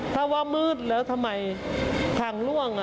ถ้าว่ามืดแล้วทำไมทางล่วง